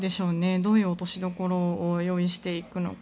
どういう落としどころを用意していくのか